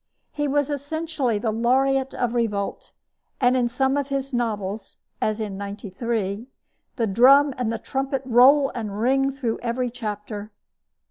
He was essentially the laureate of revolt; and in some of his novels as in Ninety Three the drum and the trumpet roll and ring through every chapter.